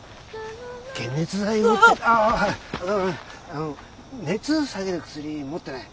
あの熱下げる薬持ってない？